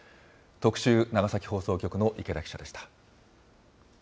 特集、長崎放送局の池田記者でした。